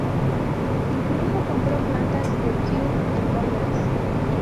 Incluso compró plantas de Kew en Londres.